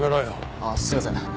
ああすいません。